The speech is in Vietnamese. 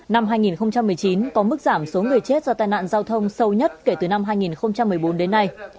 năm hai nghìn một mươi chín có mức giảm số người chết do tai nạn giao thông sâu nhất kể từ năm hai nghìn một mươi bốn đến nay